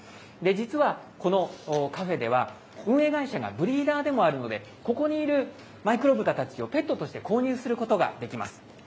実は、このカフェでは、運営会社がブリーダーでもあるので、ここにいるマイクロブタたちをペットとして購入することができます。